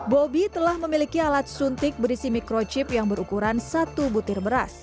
bobi telah memiliki alat suntik berisi mikrochip yang berukuran satu butir beras